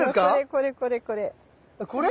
これこれこれこれ。